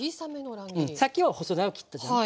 さっきは細長く切ったじゃない。